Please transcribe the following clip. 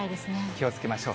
気をつけましょう。